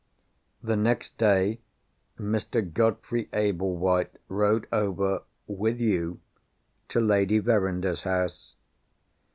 The next day Mr. Godfrey Ablewhite rode over, with you, to Lady Verinder's house.